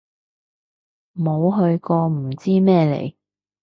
冇去過唔知咩嚟